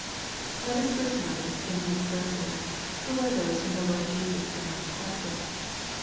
Let us first notice in these verses, who are those whom the Lord Jesua pronounced blessed.